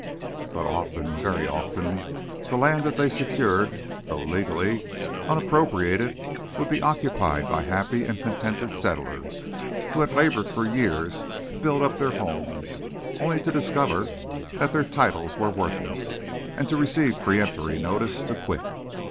But often—very often—the land they thus secured, though legally "unappropriated," would be occupied by happy and contented settlers, who had laboured for years to build up their homes, only to discover that their titles were worthless, and to receive peremptory notice to quit.